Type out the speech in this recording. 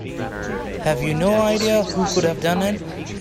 Have you no idea who could have done it?